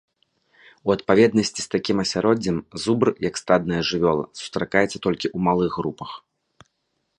У адпаведнасці з такім асяроддзем, зубр, як стадная жывёла, сустракаецца толькі ў малых групах.